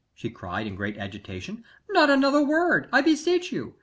she cried, in great agitation. 'Not another word, I beseech you!